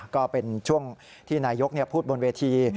ก็เป็นช่วงที่นายกพูดบนเวที